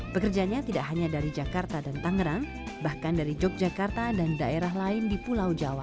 pekerjanya tidak hanya dari jakarta dan tangerang bahkan dari yogyakarta dan daerah lain di pulau jawa